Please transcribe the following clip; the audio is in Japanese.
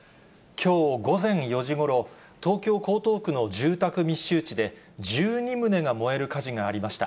きょう午前４時ごろ、東京・江東区の住宅密集地で、１２棟が燃える火事がありました。